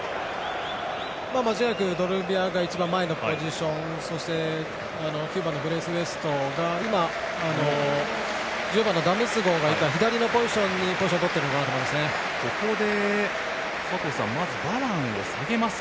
間違いなくドルベアが一番前のポジションで９番のブレイスウェイトが１０番のダムスゴーがいた左のポジションにポジションをとっているのかなと思います。